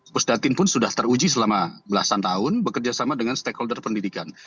pusdatin pun sudah teruji selama belasan tahun bekerja sama dengan stakeholder pendidikan